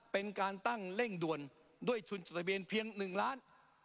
เป็นการตั้งเร่งด่วนด้วยทุนจดทะเบียนเพียง๑ล้าน